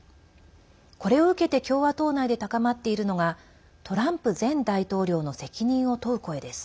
これを受けて共和党内で高まっているのがトランプ前大統領の責任を問う声です。